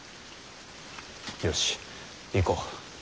よし行こう。